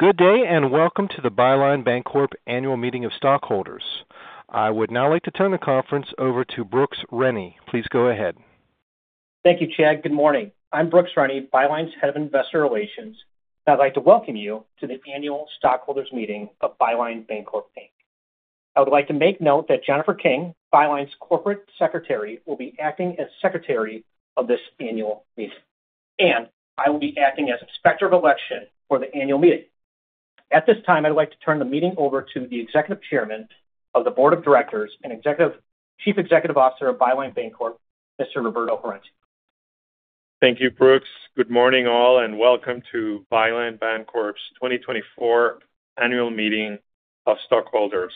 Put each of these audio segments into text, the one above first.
Good day, and welcome to the Byline Bancorp Annual Meeting of Stockholders. I would now like to turn the conference over to Brooks Rennie. Please go ahead. Thank you, Chad. Good morning. I'm Brooks Rennie, Byline's Head of Investor Relations. I'd like to welcome you to the Annual Stockholders Meeting of Byline Bancorp Bank. I would like to make note that Jennifer King, Byline's Corporate Secretary, will be acting as secretary of this annual meeting, and I will be acting as Inspector of Election for the annual meeting. At this time, I'd like to turn the meeting over to the Executive Chairman of the Board of Directors and Chief Executive Officer of Byline Bancorp, Mr. Roberto Herencia. Thank you, Brooks. Good morning, all, and welcome to Byline Bancorp's 2024 Annual Meeting of Stockholders.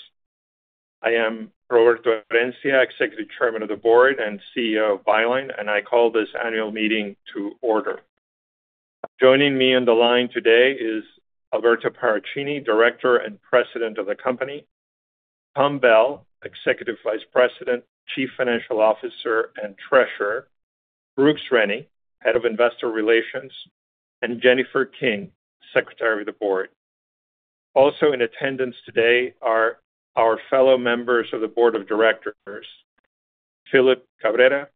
I am Roberto Herencia, Executive Chairman of the Board and CEO of Byline, and I call this annual meeting to order. Joining me on the line today is Alberto Paracchini, Director and President of the company; Tom Bell, Executive Vice President, Chief Financial Officer, and Treasurer; Brooks Rennie, Head of Investor Relations; and Jennifer King, Secretary of the Board. Also in attendance today are our fellow members of the Board of Directors, Philip Cabrera,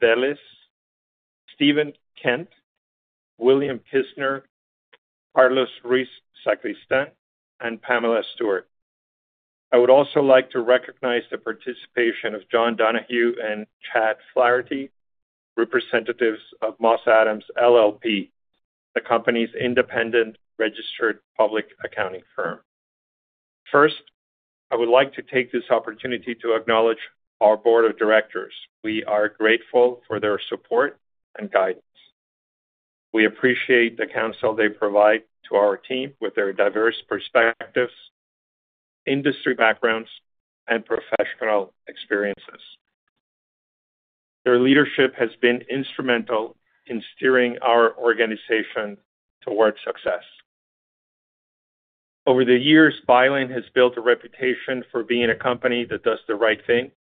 Antonio del Valle Perochena, Mary Jo Herseth, Margarita Hugues Vélez, Steven Kent, William Kistner, Carlos Ruiz Sacristán, and Pamela Stewart. I would also like to recognize the participation of John Donohue and Chad Flaherty, representatives of Moss Adams LLP, the company's independent registered public accounting firm. First, I would like to take this opportunity to acknowledge our board of directors. We are grateful for their support and guidance. We appreciate the counsel they provide to our team with their diverse perspectives, industry backgrounds, and professional experiences. Their leadership has been instrumental in steering our organization towards success. Over the years, Byline has built a reputation for being a company that does the right thing,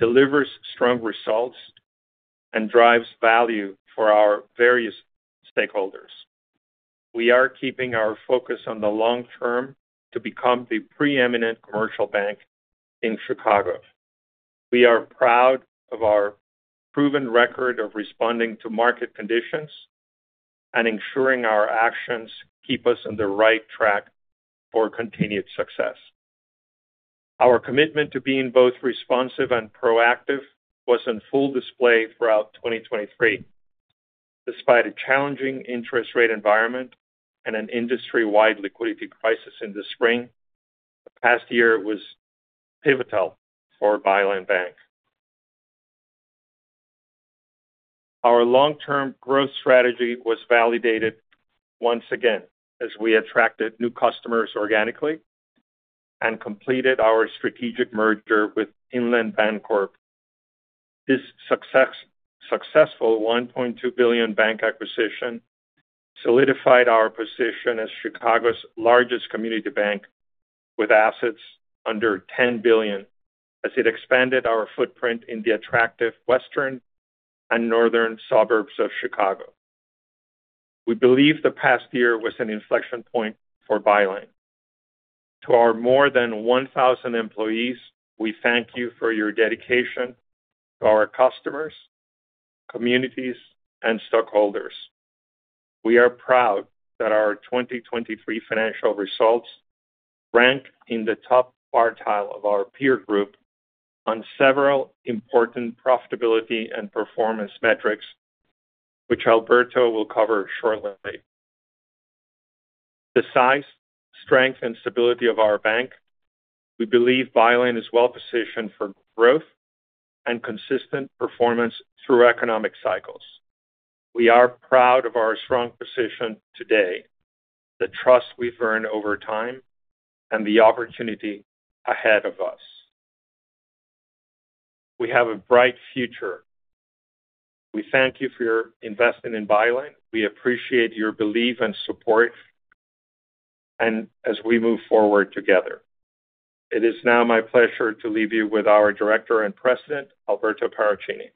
delivers strong results, and drives value for our various stakeholders. We are keeping our focus on the long term to become the preeminent commercial bank in Chicago. We are proud of our proven record of responding to market conditions and ensuring our actions keep us on the right track for continued success. Our commitment to being both responsive and proactive was on full display throughout 2023. Despite a challenging interest rate environment and an industry-wide liquidity crisis in the spring, the past year was pivotal for Byline Bank. Our long-term growth strategy was validated once again as we attracted new customers organically and completed our strategic merger with Inland Bancorp. This successful $1.2 billion bank acquisition solidified our position as Chicago's largest community bank with assets under $10 billion, as it expanded our footprint in the attractive western and northern suburbs of Chicago. We believe the past year was an inflection point for Byline. To our more than 1,000 employees, we thank you for your dedication to our customers, communities, and stockholders. We are proud that our 2023 financial results rank in the top quartile of our peer group on several important profitability and performance metrics, which Alberto will cover shortly. The size, strength, and stability of our bank. We believe Byline is well-positioned for growth and consistent performance through economic cycles. We are proud of our strong position today, the trust we've earned over time, and the opportunity ahead of us. We have a bright future. We thank you for your investment in Byline. We appreciate your belief and support, and as we move forward together. It is now my pleasure to leave you with our Director and President, Alberto Paracchini.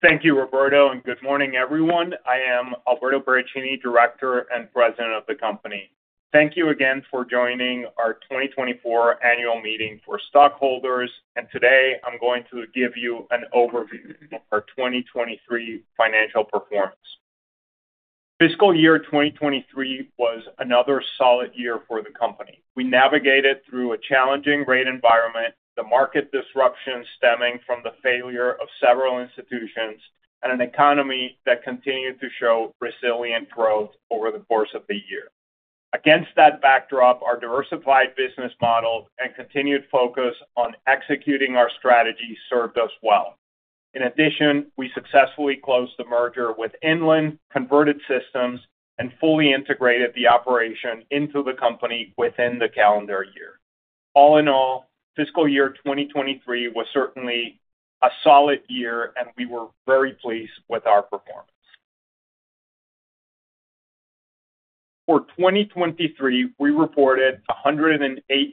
Thank you, Roberto, and good morning, everyone. I am Alberto Paracchini, Director and President of the company. Thank you again for joining our 2024 Annual Meeting of Stockholders, and today I'm going to give you an overview of our 2023 financial performance. Fiscal year 2023 was another solid year for the company. We navigated through a challenging rate environment, the market disruption stemming from the failure of several institutions, and an economy that continued to show resilient growth over the course of the year. Against that backdrop, our diversified business model and continued focus on executing our strategy served us well. In addition, we successfully closed the merger with Inland, converted systems, and fully integrated the operation into the company within the calendar year. All in all, fiscal year 2023 was certainly a solid year, and we were very pleased with our performance. ...For 2023, we reported $108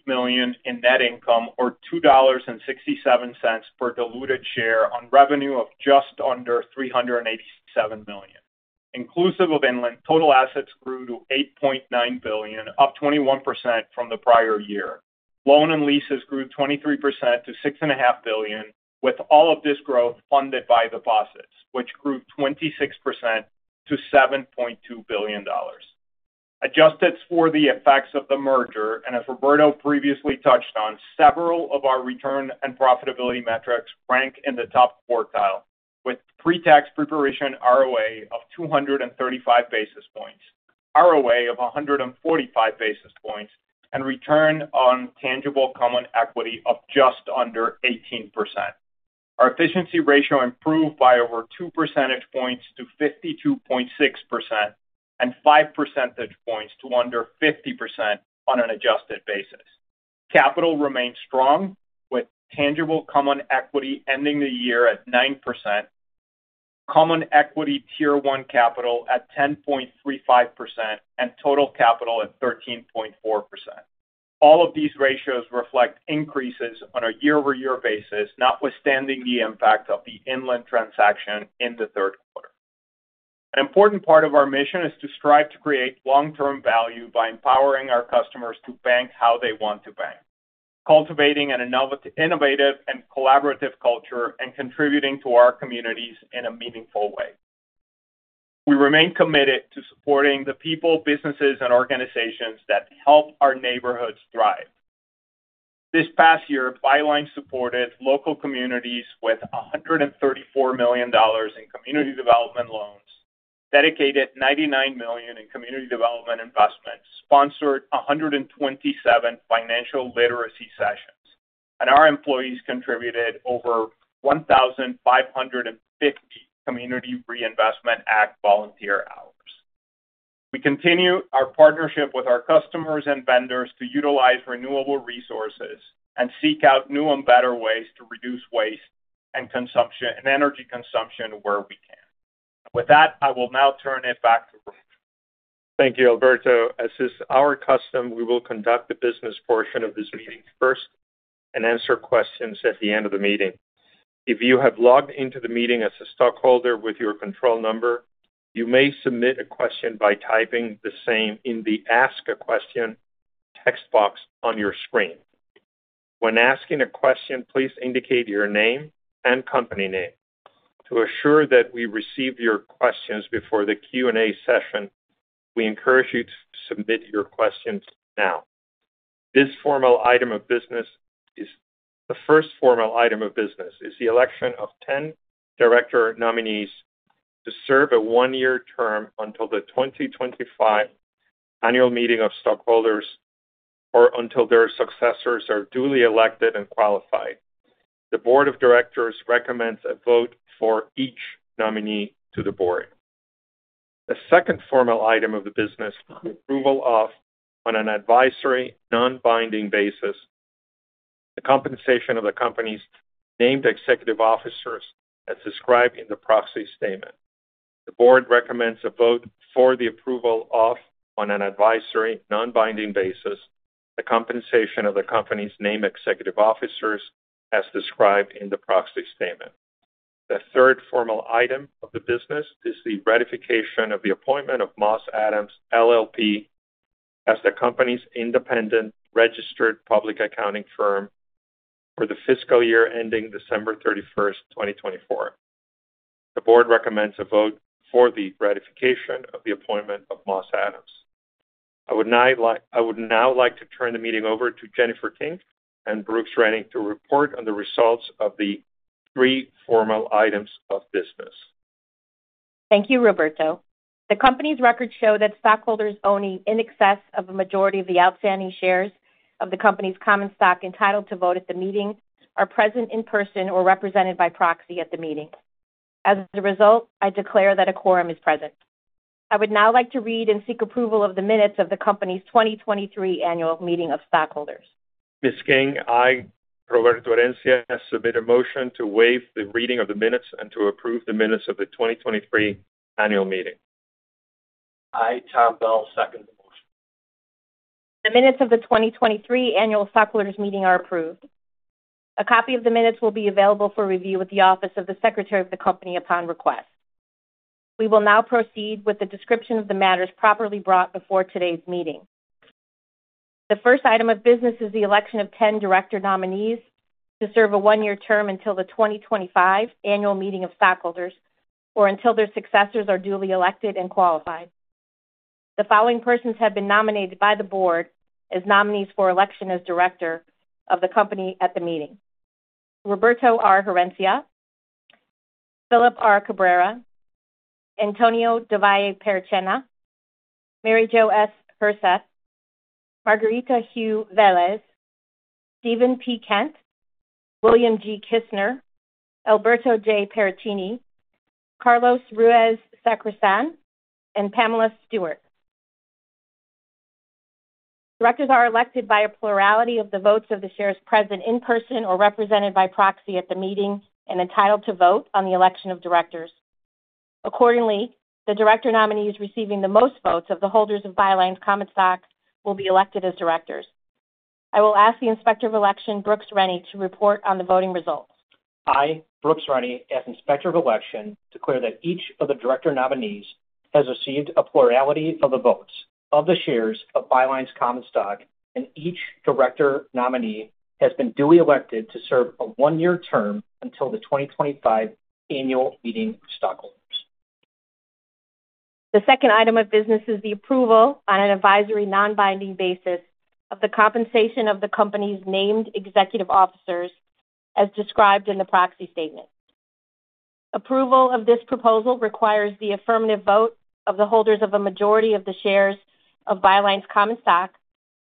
million in net income, or $2.67 per diluted share on revenue of just under $387 million. Inclusive of Inland, total assets grew to $8.9 billion, up 21% from the prior year. Loans and leases grew 23% to $6.5 billion, with all of this growth funded by deposits, which grew 26% to $7.2 billion. Adjusted for the effects of the merger, and as Roberto previously touched on, several of our return and profitability metrics rank in the top quartile, with pre-tax pre-provision ROA of 235 basis points, ROA of 145 basis points, and return on tangible common equity of just under 18%. Our efficiency ratio improved by over 2 percentage points to 52.6% and 5 percentage points to under 50% on an adjusted basis. Capital remains strong, with tangible common equity ending the year at 9%, common equity tier one capital at 10.35%, and total capital at 13.4%. All of these ratios reflect increases on a year-over-year basis, notwithstanding the impact of the Inland transaction in the third quarter. An important part of our mission is to strive to create long-term value by empowering our customers to bank how they want to bank, cultivating an innovative and collaborative culture, and contributing to our communities in a meaningful way. We remain committed to supporting the people, businesses, and organizations that help our neighborhoods thrive. This past year, Byline supported local communities with $134 million in community development loans, dedicated $99 million in community development investments, sponsored 127 financial literacy sessions, and our employees contributed over 1,550 Community Reinvestment Act volunteer hours. We continue our partnership with our customers and vendors to utilize renewable resources and seek out new and better ways to reduce waste and consumption, and energy consumption where we can. With that, I will now turn it back to Roberto. Thank you, Alberto. As is our custom, we will conduct the business portion of this meeting first and answer questions at the end of the meeting. If you have logged into the meeting as a stockholder with your control number, you may submit a question by typing the same in the Ask a Question text box on your screen. When asking a question, please indicate your name and company name. To assure that we receive your questions before the Q&A session, we encourage you to submit your questions now. This formal item of business is... The first formal item of business is the election of 10 director nominees to serve a one-year term until the 2025 annual meeting of stockholders, or until their successors are duly elected and qualified. The board of directors recommends a vote for each nominee to the board. The second formal item of the business, approval of, on an advisory, non-binding basis, the compensation of the company's named executive officers as described in the Proxy Statement. The board recommends a vote for the approval of, on an advisory, non-binding basis, the compensation of the company's named executive officers as described in the Proxy Statement. The third formal item of the business is the ratification of the appointment of Moss Adams LLP as the company's independent registered public accounting firm for the fiscal year ending December 31, 2024. The board recommends a vote for the ratification of the appointment of Moss Adams. I would now like to turn the meeting over to Jennifer King and Brooks Rennie to report on the results of the three formal items of business. Thank you, Roberto. The company's records show that stockholders owning in excess of a majority of the outstanding shares of the company's common stock entitled to vote at the meeting, are present in person or represented by proxy at the meeting. As a result, I declare that a quorum is present. I would now like to read and seek approval of the minutes of the company's 2023 annual meeting of stockholders. Miss King, I, Roberto Herencia, submit a motion to waive the reading of the minutes and to approve the minutes of the 2023 annual meeting. I, Tom Bell, second the motion. The minutes of the 2023 annual stockholders meeting are approved. A copy of the minutes will be available for review at the Office of the Secretary of the company upon request. We will now proceed with the description of the matters properly brought before today's meeting. The first item of business is the election of 10 director nominees to serve a one-year term until the 2025 annual meeting of stockholders, or until their successors are duly elected and qualified. The following persons have been nominated by the board as nominees for election as director of the company at the meeting: Roberto R. Herencia, Philip R. Cabrera, Antonio del Valle Perochena, Mary Jo S. Herseth, Margarita Hugues Vélez, Steven P. Kent, William G. Kistner, Alberto J. Paracchini, Carlos Ruiz Sacristán, and Pamela Stewart.... Directors are elected by a plurality of the votes of the shares present in person or represented by proxy at the meeting, and entitled to vote on the election of directors. Accordingly, the director nominees receiving the most votes of the holders of Byline's common stock will be elected as directors. I will ask the Inspector of Election, Brooks Rennie, to report on the voting results. I, Brooks Rennie, as Inspector of Election, declare that each of the director nominees has received a plurality of the votes of the shares of Byline's common stock, and each director nominee has been duly elected to serve a one-year term until the 2025 Annual Meeting of Stockholders. The second item of business is the approval on an advisory, non-binding basis of the compensation of the company's named executive officers, as described in the proxy statement. Approval of this proposal requires the affirmative vote of the holders of a majority of the shares of Byline's common stock,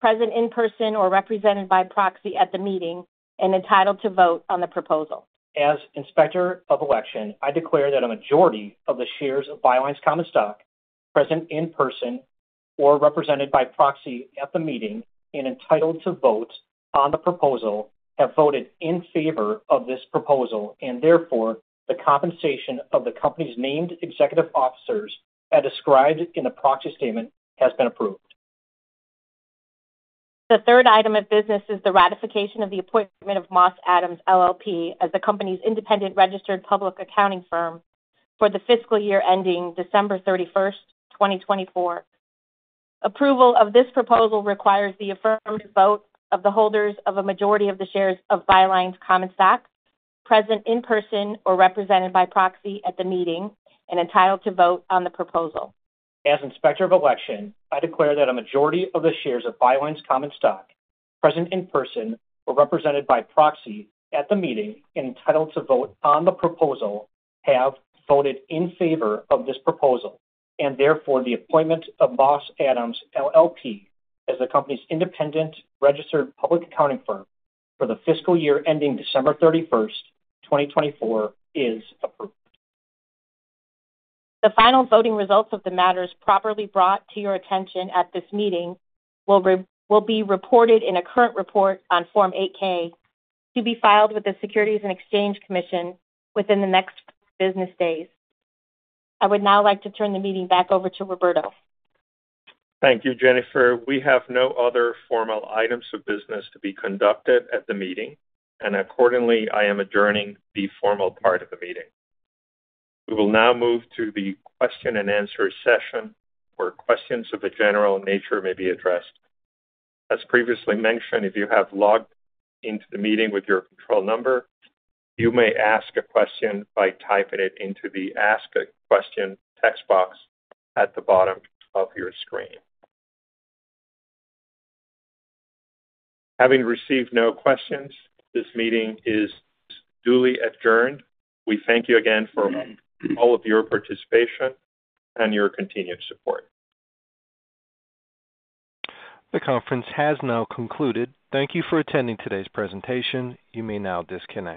present in person or represented by proxy at the meeting, and entitled to vote on the proposal. As Inspector of Election, I declare that a majority of the shares of Byline's common stock, present in person or represented by proxy at the meeting, and entitled to vote on the proposal, have voted in favor of this proposal and therefore, the compensation of the company's named executive officers, as described in the proxy statement, has been approved. The third item of business is the ratification of the appointment of Moss Adams LLP as the company's independent registered public accounting firm for the fiscal year ending 31 December 2024. Approval of this proposal requires the affirmative vote of the holders of a majority of the shares of Byline's common stock, present in person or represented by proxy at the meeting, and entitled to vote on the proposal. As Inspector of Election, I declare that a majority of the shares of Byline's common stock, present in person or represented by proxy at the meeting and entitled to vote on the proposal, have voted in favor of this proposal, and therefore, the appointment of Moss Adams LLP as the company's independent registered public accounting firm for the fiscal year ending 31 December 2024, is approved. The final voting results of the matters properly brought to your attention at this meeting will be reported in a current report on Form 8-K, to be filed with the Securities and Exchange Commission within the next business days. I would now like to turn the meeting back over to Roberto. Thank you, Jennifer. We have no other formal items of business to be conducted at the meeting, and accordingly, I am adjourning the formal part of the meeting. We will now move to the question and answer session, where questions of a general nature may be addressed. As previously mentioned, if you have logged into the meeting with your control number, you may ask a question by typing it into the Ask a Question text box at the bottom of your screen. Having received no questions, this meeting is duly adjourned. We thank you again for all of your participation and your continued support. The conference has now concluded. Thank you for attending today's presentation. You may now disconnect.